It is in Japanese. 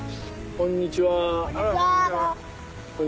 こんにちは。